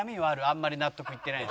あんまり納得いってない。